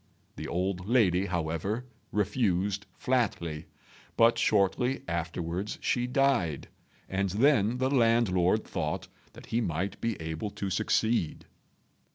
The old lady, however, refused flatly; but shortly afterwards she died, and then the landlord thought that he might be able to succeed.